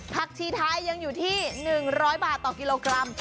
ชีไทยยังอยู่ที่๑๐๐บาทต่อกิโลกรัม